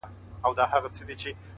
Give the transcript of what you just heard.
• په دغه صورت مو وساتی وطن خپل,